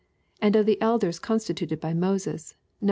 and of the elders constituted by Moses, '(Numb.